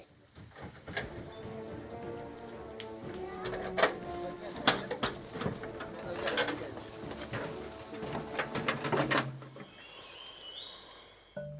kandang orang hutan dibuka bergantian